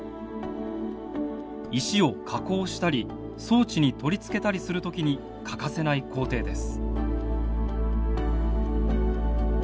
石を加工したり装置に取り付けたりする時に欠かせない工程です。